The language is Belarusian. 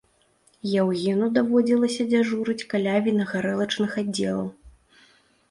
Яўгену даводзілася дзяжурыць каля вінагарэлачных аддзелаў.